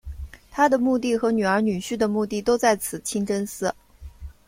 她的墓地和女儿女婿的墓地都在此清真寺。